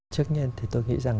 chắc chắn thì tôi nghĩ rằng